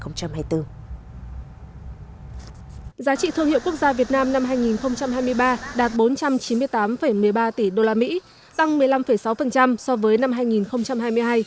giá trị thương hiệu quốc gia việt nam năm hai nghìn hai mươi ba đạt bốn trăm chín mươi tám một mươi ba tỷ usd tăng một mươi năm sáu so với năm hai nghìn hai mươi hai